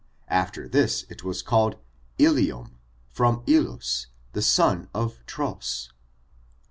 After this it was called Umm^ from 7Zi4^, the son of Tros.